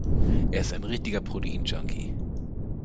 Er ist ein richtiger Protein-Junkie.